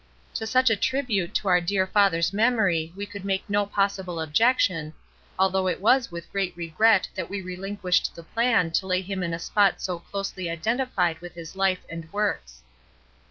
To such a tribute to our dear father's memory we could make no possible objection, although it was with great regret that we relinquished the plan to lay him in a spot so closely identified with his life and works.